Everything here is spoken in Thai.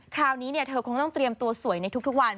คราวนี้เธอคงต้องเตรียมตัวสวยในทุกวัน